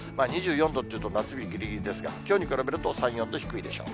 ２４度っていうと夏日ぎりぎりですが、きょうに比べると３、４度低いでしょう。